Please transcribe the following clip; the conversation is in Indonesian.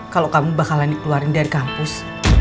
kalau kamu bakalan dikeluarin dari kampus